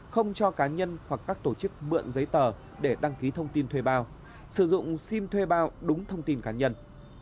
không cho cá nhân hoặc các tổ chức mượn giấy tờ để đăng ký thông tin thuê bao sử dụng sim thuê bao đúng thông tin cá nhân